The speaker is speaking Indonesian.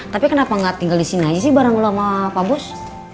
tapi kenapa nggak tinggal di sini aja sih bareng dulu sama pak bus